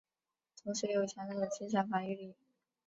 同时也有强大的精神防御力。